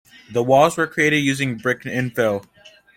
The walls were created using brick infill.